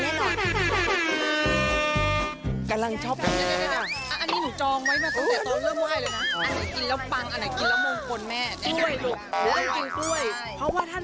เดี๋ยวอันนี้หนูจองไว้มาตั้งแต่ตอน